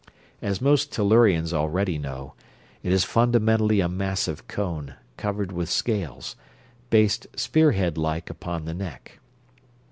As most Tellurians already know, it is fundamentally a massive cone, covered with scales, based spearhead like upon the neck.